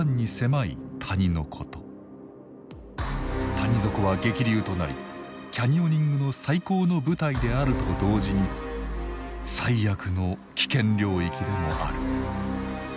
谷底は激流となりキャニオニングの最高の舞台であると同時に最悪の危険領域でもある。